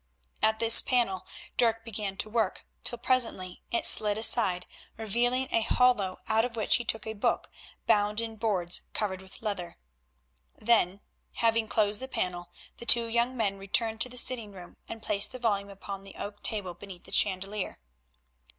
At this panel Dirk began to work, till presently it slid aside, revealing a hollow, out of which he took a book bound in boards covered with leather. Then, having closed the panel, the two young men returned to the sitting room, and placed the volume upon the oak table beneath the chandelier.